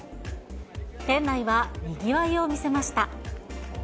店内はにぎわいを見せました。